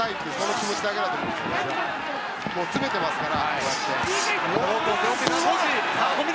距離を詰めてますから。